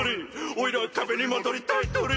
おいらは壁に戻りたいトリ！